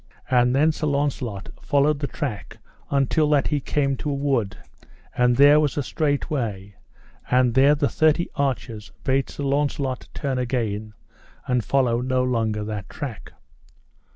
And then Sir Launcelot followed the track until that he came to a wood, and there was a straight way, and there the thirty archers bade Sir Launcelot turn again, and follow no longer that track.